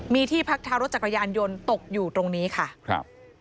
มีที่พักเท้ารถจักรยานยนต์ตกอยู่ตรงนี้ค่ะครับ